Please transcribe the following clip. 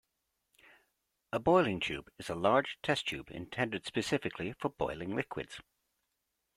A boiling tube is a large test tube intended specifically for boiling liquids.